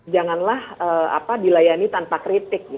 janganlah dilayani tanpa kritik